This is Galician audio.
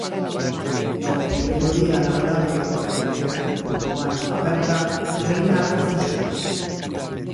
No primeiro día laborable coa fronteira con Portugal aberta reina a confusión.